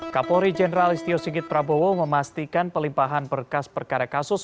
kapolri jenderal istio sigit prabowo memastikan pelimpahan berkas perkara kasus